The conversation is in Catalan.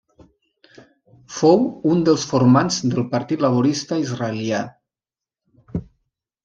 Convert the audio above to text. Fou un dels formants del Partit Laborista Israelià.